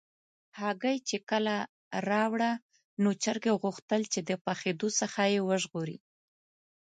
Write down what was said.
هګۍ چې کله راوړه، نو چرګې غوښتل چې د پخېدو څخه یې وژغوري.